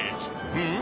うん？